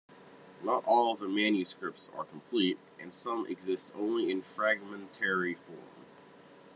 Not all of the manuscripts are complete, and some exist only in fragmentary form.